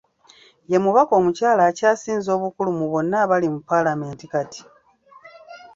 Ye mubaka omukyala akyasinze obukulu mu bonna abali mu paalamenti kati.